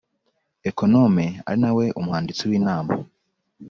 Ekonome ari nawe umwanditsi w Inama